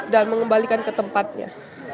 dan mengembalikan ke tempatnya